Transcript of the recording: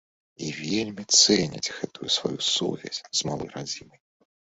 І вельмі цэняць гэту сваю сувязь з малой радзімай.